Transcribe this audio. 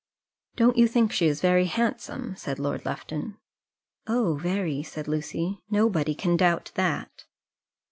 "Don't you think she is very handsome?" said Lord Lufton. "Oh, very," said Lucy. "Nobody can doubt that."